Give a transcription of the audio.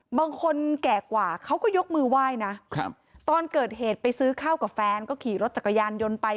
บางคนแก่กว่าเขาก็ยกมือไหว้นะตอนเกิดเหตุไปซื้อข้าวกับแฟนก็ขี่รถจักรยานยนต์ไป